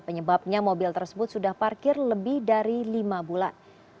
penyebabnya mobil tersebut sudah parkir lebih dari lima bulan